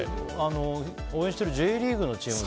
応援しているＪリーグのチーム。